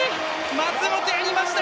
松元やりました！